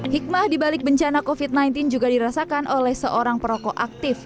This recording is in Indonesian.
hikmah dibalik bencana covid sembilan belas juga dirasakan oleh seorang perokok aktif